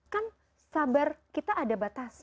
kan sabar kita ada batas ya